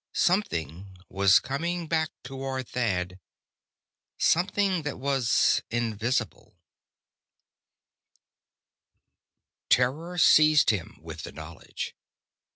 Something was coming back toward Thad. Something that was invisible! Terror seized him, with the knowledge.